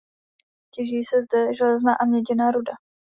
Těží se zde železná a měděná ruda.